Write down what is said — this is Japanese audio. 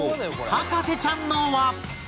博士ちゃんの輪